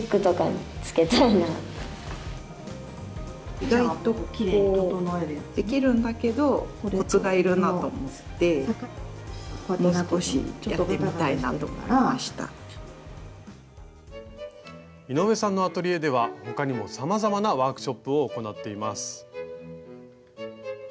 意外と井上さんのアトリエでは他にもさまざまなワークショップを行っています。